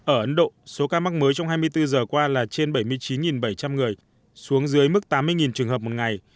ở ấn độ số ca mắc mới trong hai mươi bốn giờ qua là trên bảy mươi chín bảy trăm linh người xuống dưới mức tám mươi trường hợp một ngày